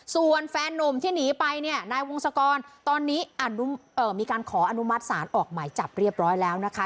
ส่วนแฟนนุ่มที่หนีไปเนี่ยนายวงศกรตอนนี้มีการขออนุมัติศาลออกหมายจับเรียบร้อยแล้วนะคะ